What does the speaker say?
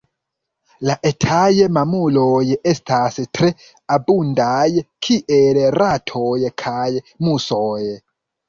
La etaj mamuloj estas tre abundaj kiel ratoj kaj musoj.